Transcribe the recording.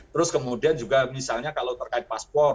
terus kemudian juga misalnya kalau terkait paspor